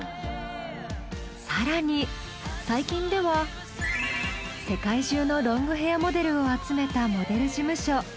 更に最近では世界中のロングヘアモデルを集めたモデル事務所